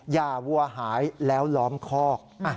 วัวหายแล้วล้อมคอก